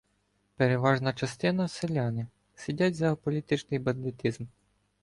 Переважна частина — селяни, сидять за "аполітичний бандитизм".